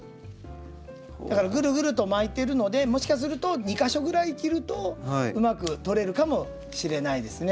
だからグルグルと巻いてるのでもしかすると２か所ぐらい切るとうまく取れるかもしれないですね。